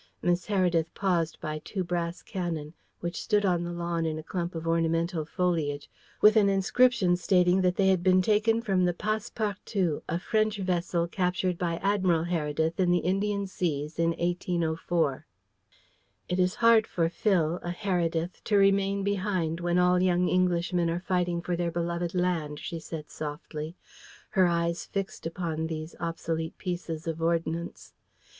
Miss Heredith paused by two brass cannon, which stood on the lawn in a clump of ornamental foliage, with an inscription stating that they had been taken from the Passe partout, a French vessel captured by Admiral Heredith in the Indian Seas in 1804. "It is hard for Phil, a Heredith, to remain behind when all young Englishmen are fighting for their beloved land," she said softly, her eyes fixed upon these obsolete pieces of ordnance.